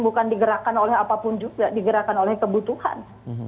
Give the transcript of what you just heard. bukan digerakkan oleh apapun juga digerakkan oleh kebutuhan